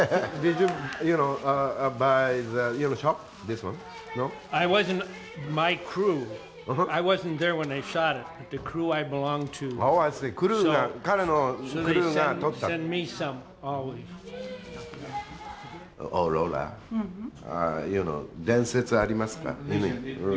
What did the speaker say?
オーロラユーノウ伝説ありますか？